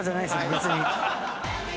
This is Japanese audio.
別に。